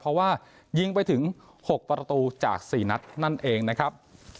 เพราะว่ายิงไปถึง๖ประตูจาก๔นัดนั่นเองนะครับ